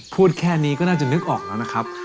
พูดแค่นี้ก็น่าจะนึกออกแล้วนะครับ